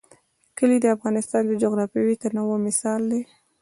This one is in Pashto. کلي د افغانستان د جغرافیوي تنوع مثال دی.